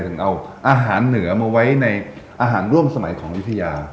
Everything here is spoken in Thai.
ถึงเอาอาหารเหนือมาไว้ในอาหารร่วมสมัยของวิทยา